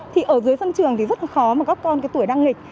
thì ở dưới sân trường thì rất là khó mà các con cái tuổi đang nghịch